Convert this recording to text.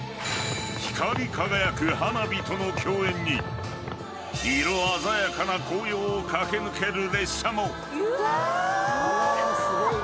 光り輝く花火との共演に色鮮やかな紅葉を駆け抜ける列車も。